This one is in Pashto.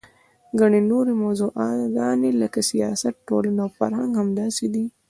ګڼې نورې موضوعګانې لکه سیاست، ټولنه او فرهنګ همداسې دي.